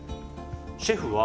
シェフは。